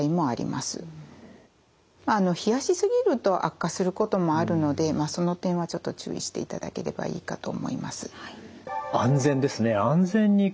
まああの冷やしすぎると悪化することもあるのでその点はちょっと注意していただければいいかと思います。